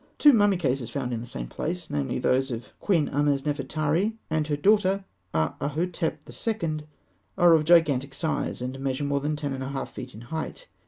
Two mummy cases found in the same place namely, those of Queen Ahmesnefertari and her daughter, Aahhotep II. are of gigantic size, and measure more than ten and a half feet in height (fig.